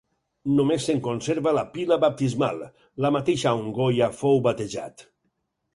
Només se'n conserva la pila baptismal, la mateixa on Goya fou batejat.